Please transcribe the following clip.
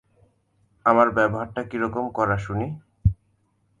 আমার ব্যবহারটা কিরকম কড়া শুনি।